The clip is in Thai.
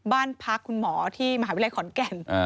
บ้านพักคุณหมอที่มหาวิทยาลัยขอนแก่น